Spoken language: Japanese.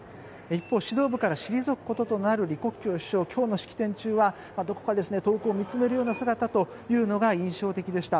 一方、指導部から退くこととなる李克強首相、今日の式典中はどこか、遠くを見つめるような姿というのが印象的でした。